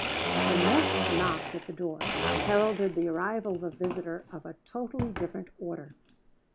The next knock at the door heralded the arrival of a visitor of a totally different order.